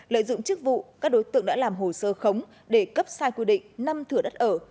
lợi dụng chức vụ các đối tượng đã làm hồ sơ khống để cấp sai quy định năm thửa đất ở